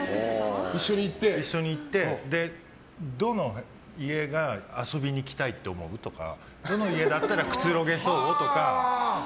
一緒に行ってどの家が遊びに来たいって思う？とかどの家だったらくつろげそう？とか。